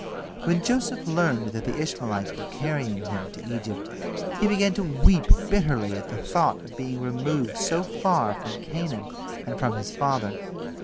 When Joseph learned that the Ishmaelites were carrying him to Egypt, he began to weep bitterly at the thought of being removed so far from Canaan and from his father.